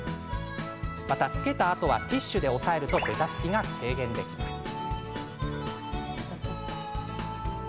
また、つけたあとティッシュで押さえるとべたつきが軽減できますよ。